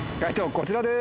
こちらです。